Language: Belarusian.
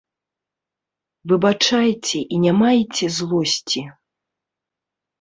Выбачайце і не майце злосці.